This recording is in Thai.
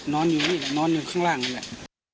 นอนอยู่นี่แหละนอนอยู่ข้างล่างนี่แหละ